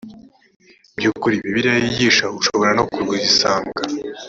by ukuri bibiliya yigisha ushobora no kugisanga